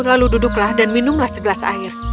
lalu duduklah dan minumlah segelas air